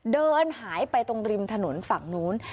เดินหายไปตรงริมถนนฝั่งนู้น